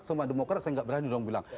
semua demokrasi saya enggak berani dong bilang